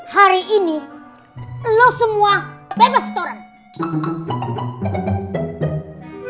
hari ini lo semua bebas sekarang